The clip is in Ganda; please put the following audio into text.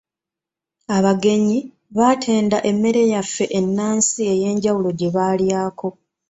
Abagenyi baatenda emmere yaffe enansi ey'enjawulo gye baalyako.